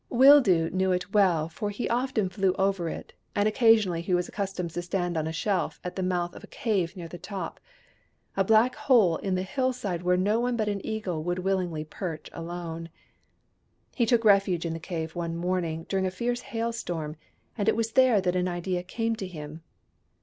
Wildoo knew it well, for he often flew over it, and occasionally he was accustomed to stand on a shelf at the mouth of a cave near the top — a black hole in the hillside where no one but an Eagle would willingly perch alone. He took refuge in the cave one morning, during a fierce hail storm ; and it was there that an idea came to him.